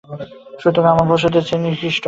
সুতরাং আমরা পশুদের চেয়ে একটু নিকৃষ্ট।